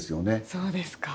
そうですか。